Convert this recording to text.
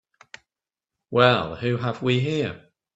Well who have we here?